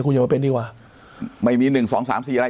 คุณอย่ามาเป็นดีกว่าไม่มีหนึ่งสองสามสี่อะไร